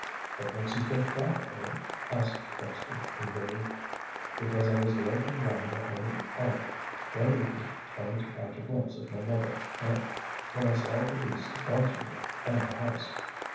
"What makes you think that, Harry?" asked Colpster eagerly. "Because I was loafing round The Home of Art one evening trying to catch a glimpse of my mother, when I saw the beast watching me and the house."